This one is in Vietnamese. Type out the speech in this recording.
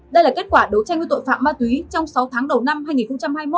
đây là kết quả đấu tranh với tội phạm ma túy trong sáu tháng đầu năm hai nghìn hai mươi